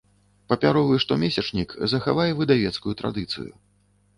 Папяровы штомесячнік захавае выдавецкую традыцыю.